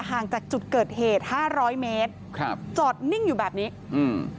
ห่างจากจุดเกิดเหตุห้าร้อยเมตรครับจอดนิ่งอยู่แบบนี้อืม